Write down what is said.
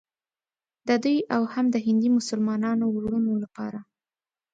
د دوی او هم د هندي مسلمانانو وروڼو لپاره.